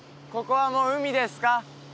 ここはもう海ですか？